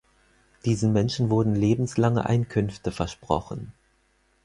Diesen Menschen wurden lebenslange Einkünfte versprochen.